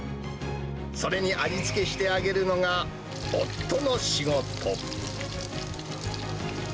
それに味付けして揚げるのが、夫の仕事。